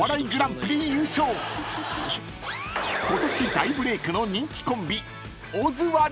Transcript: ［ことし大ブレークの人気コンビ］